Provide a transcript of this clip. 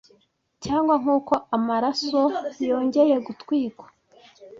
Cyangwa nkuko amaraso yongeye gutwikwa